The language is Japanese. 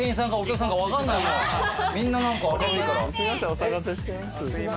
お騒がせしてます。